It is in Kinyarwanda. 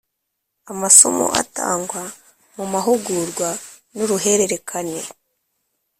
Amasomo atangwa mu mahugurwa ni uruhererekane